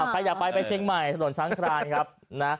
ใครอยากไปไปเชียงใหม่ถนนช้างคลานครับนะ